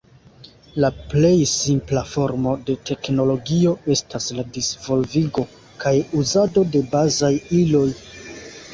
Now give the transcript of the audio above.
La plej simpla formo de teknologio estas la disvolvigo kaj uzado de bazaj iloj.